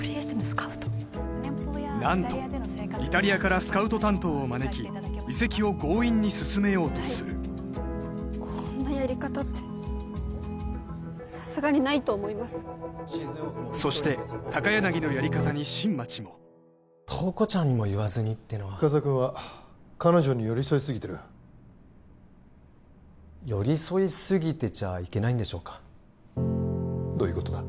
何とイタリアからスカウト担当を招き移籍を強引に進めようとするこんなやり方ってさすがにないと思いますそして高柳のやり方に新町も塔子ちゃんにも言わずにってのは深沢君は彼女に寄り添いすぎてる寄り添いすぎてちゃいけないんでしょうかどういうことだ？